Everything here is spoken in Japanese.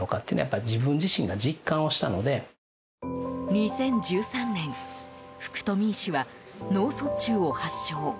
２０１３年、福富医師は脳卒中を発症。